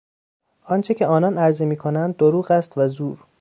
آنچه که آنان عرضه میکنند دروغ است و زور.